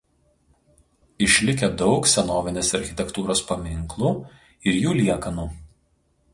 Išlikę daug senovinės architektūros paminklų ir jų liekanų.